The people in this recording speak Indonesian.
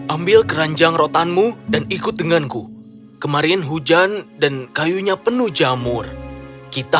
ambil keranjang rotanmu dan ikut denganku kemarin hujan dan kayunya penuh jamur kita